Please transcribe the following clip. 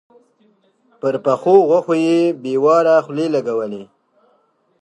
پر پخو غوښو يې بې واره خولې لګولې.